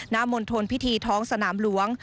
น้ำมนตรพิธีท้องสนามหลวง